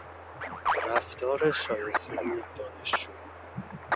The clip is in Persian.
رفتار شایستهی یک دانشجو